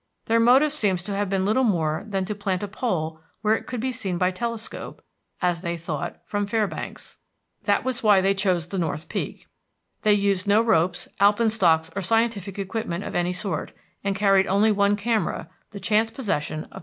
Their motive seems to have been little more than to plant a pole where it could be seen by telescope, as they thought, from Fairbanks; that was why they chose the North Peak. They used no ropes, alpenstocks, or scientific equipment of any sort, and carried only one camera, the chance possession of McGonagall. [Illustration: _From a photograph by G.B.